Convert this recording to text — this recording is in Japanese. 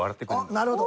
なるほど。